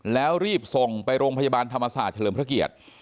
แล้วรีบส่งไปโรงพยาบาลธรรมศาสตร์เฉลิมพระเกียรติ